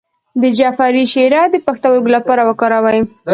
د جعفری شیره د پښتورګو لپاره وکاروئ